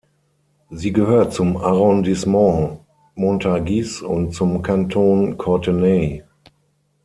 Sie gehört zum Arrondissement Montargis und zum Kanton Courtenay.